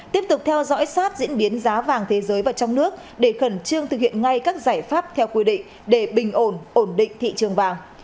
tiếp tục theo dõi sát diễn biến giá vàng thế giới và trong nước để khẩn trương thực hiện ngay các giải pháp theo quy định để bình ổn ổn định thị trường vàng